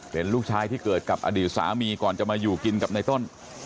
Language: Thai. เป็นลูกชายที่เกิดกับอดีตสามีก่อนจะมาอยู่กินกับในต้น